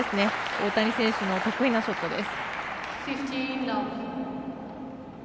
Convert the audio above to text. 大谷選手の得意なショットです。